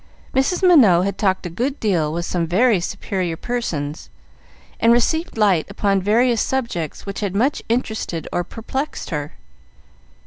Mrs. Minot had talked a good deal with some very superior persons, and received light upon various subjects which had much interested or perplexed her.